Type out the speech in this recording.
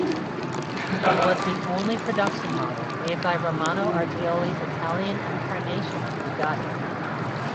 It was the only production model made by Romano Artioli's Italian incarnation of Bugatti.